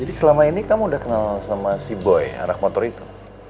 selama ini kamu udah kenal sama si boy anak motor itu